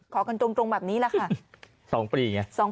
ขอกันตรงแบบนี้แหละค่ะ